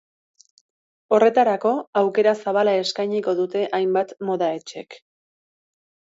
Horretarako, aukera zabala eskainiko dute hainbat moda-etxek.